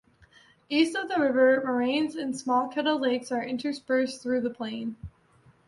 East of the river, moraines and small kettle lakes are interspersed throughout the plain.